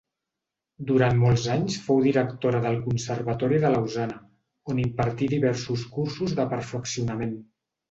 Durant molts anys fou directora del Conservatori de Lausana, on impartí diversos cursos de perfeccionament.